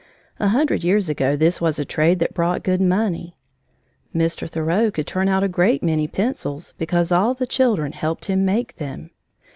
A hundred years ago this was a trade that brought good money. Mr. Thoreau could turn out a great many pencils because all the children helped him make them.